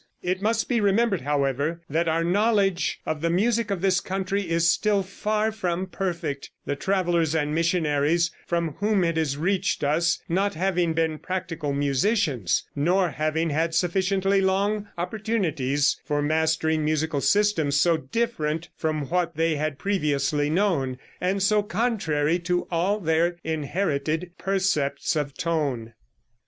It must be remembered, however, that our knowledge of the music of this country is still far from perfect, the travelers and missionaries from whom it has reached us not having been practical musicians, nor having had sufficiently long opportunities for mastering musical systems so different from what they had previously known, and so contrary to all their inherited percepts of tone.